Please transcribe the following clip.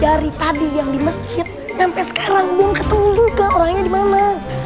dari tadi yang di masjid sampai sekarang belum ketemu juga orangnya di mana